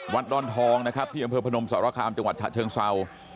ด้อนทองนะครับที่อำเภอพนมสารคามจังหวัดฉะเชิงเศร้า